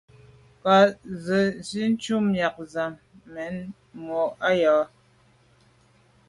Kâ gə́ zí’jú tɔ̌ míɛ̂nʤám mjɛ̂k mú à yá.